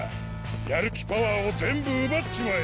やる気パワーを全部うばっちまえ！